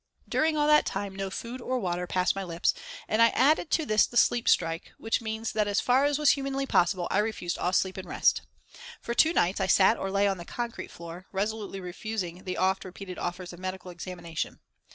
During all that time no food or water passed my lips, and I added to this the sleep strike, which means that as far as was humanly possible I refused all sleep and rest. For two nights I sat or lay on the concrete floor, resolutely refusing the oft repeated offers of medical examination.